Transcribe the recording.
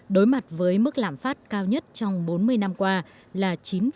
đối mặt với mức lạm phát cao nhất trong bốn mươi năm qua là chín bốn